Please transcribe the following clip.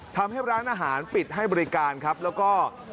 ทำให้ร้านอาหารปิดให้บริการครับแล้วก็